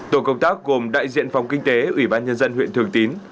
tổ công tác gồm đại diện phòng kinh tế ubnd huyện thường tín